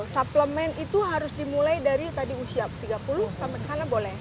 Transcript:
suplemen itu harus dimulai dari tadi usia tiga puluh sampai sana boleh